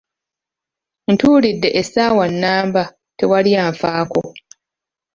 Ntuulidde essaawa nnamba, tewali anfaako.